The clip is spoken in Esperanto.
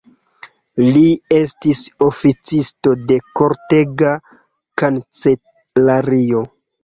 Li estis oficisto de kortega kancelario.